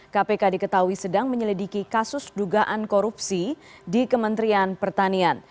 kpk diketahui sedang menyelidiki kasus dugaan korupsi di kementerian pertanian